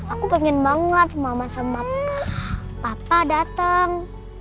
aku pengen banget mama sama papa datang